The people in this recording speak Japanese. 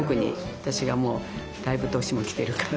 私がもうだいぶ年もきてるからね。